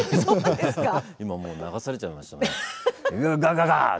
今、流されちゃいましたもんね。